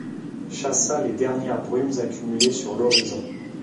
chassa les dernières brumes accumulées sur l’horizon.